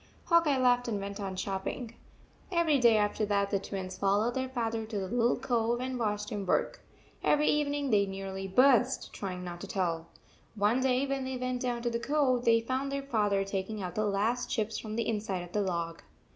Hawk Bye laughed and went on chop ping. Every day after that the Twins fol lowed their father to the little cove and watched him work. Every evening they nearly burst trying not to tell. One day when they went down to the cove, they found their father taking out the last chips from the inside of the log.